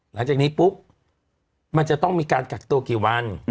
หลังจากนี้ปุ๊บมันจะต้องมีการกักตัวกี่วัน